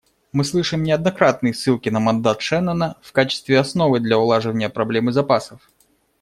Мы слышим неоднократные ссылки на мандат Шеннона в качестве основы для улаживания проблемы запасов.